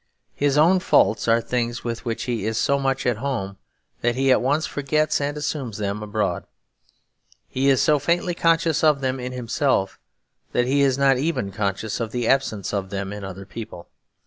His own faults are things with which he is so much at home that he at once forgets and assumes them abroad. He is so faintly conscious of them in himself that he is not even conscious of the absence of them in other people.